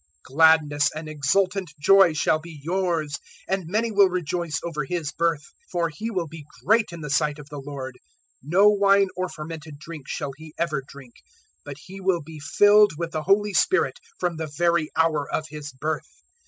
001:014 Gladness and exultant joy shall be yours, and many will rejoice over his birth. 001:015 For he will be great in the sight of the Lord; no wine or fermented drink shall he ever drink; but he will be filled with the Holy Spirit from the very hour of his birth.